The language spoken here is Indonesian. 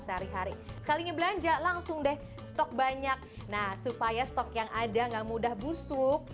sehari hari sekalinya belanja langsung deh stok banyak nah supaya stok yang ada enggak mudah busuk